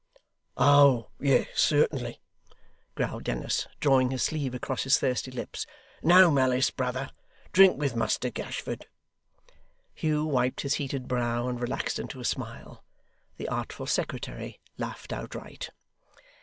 'Oh, yes certainly,' growled Dennis, drawing his sleeve across his thirsty lips. 'No malice, brother. Drink with Muster Gashford!' Hugh wiped his heated brow, and relaxed into a smile. The artful secretary laughed outright.